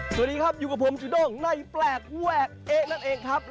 สวัสดีครับอยู่กับผมจุด้งในแปลกแวกเอ๊ะนั่นเองครับ